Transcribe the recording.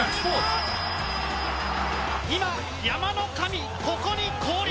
今、山の神、ここに降臨。